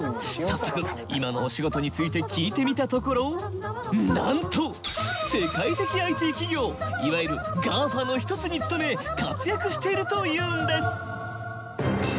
早速今のお仕事について聞いてみたところなんと世界的ＩＴ企業いわゆるＧＡＦＡの一つに勤め活躍しているというんです！